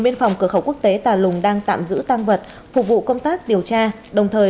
biên phòng cửa khẩu quốc tế tà lùng đang tạm giữ tăng vật phục vụ công tác điều tra đồng thời